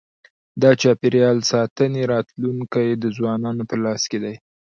د چاپېریال ساتنې راتلونکی د ځوانانو په لاس کي دی.